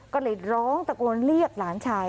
ก็เลยร้องตะโกนเรียกหลานชาย